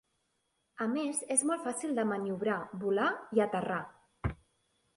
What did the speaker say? A més és molt fàcil de maniobrar, volar i aterrar.